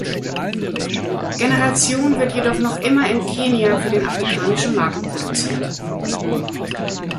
Generation wird jedoch noch immer in Kenia für den afrikanischen Markt produziert.